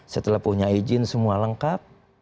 setelah punya izin semua lengkap